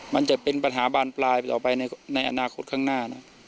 มันจะเป็นปัญหาบานปลายไปต่อไปในอนาคตข้างหน้านะ